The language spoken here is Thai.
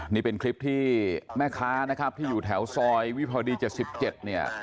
นี่เป็นคลิปที่แม่ค้านะครับที่อยู่แถวซอยวิภาวดี๗๗เนี่ย